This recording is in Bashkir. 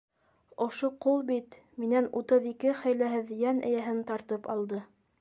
Ошо ҡул бит минән утыҙ ике хәйләһеҙ йән эйәһен тартып алды.